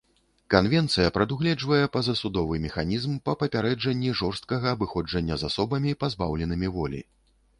Канвенцыя прадугледжвае пазасудовы механізм па папярэджанні жорсткага абыходжання з асобамі, пазбаўленымі волі.